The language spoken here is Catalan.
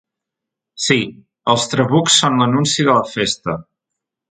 Sí, els trabucs són l’anunci de la festa.